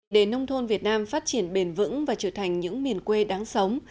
để nông thôn việt nam phát triển bền vững và trở thành những miền quê đáng sống